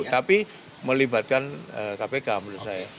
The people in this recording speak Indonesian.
tapi melibatkan kpk menurut saya